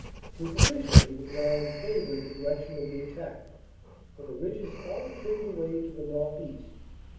Superficially the ground favored the direction of the attack, for the ridges all trend away to the northeast.